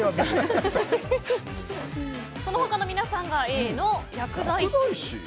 その他の皆さんがＡの薬剤師。